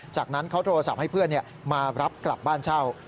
จากนั้นเขาโทรศัพท์ให้เพื่อนมารับกลับบ้านเช่า